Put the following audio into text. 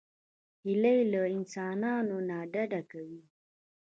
هیلۍ له انسانانو نه ډډه کوي